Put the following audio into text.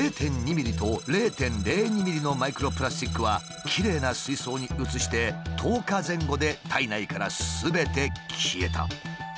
０．２ｍｍと０．０２ｍｍのマイクロプラスチックはきれいな水槽に移して１０日前後で体内からすべて消えた。